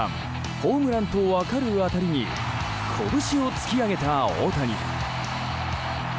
ホームランと分かる当たりにこぶしを突き上げた大谷。